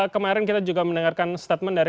kemarin kita juga mendengarkan statement dari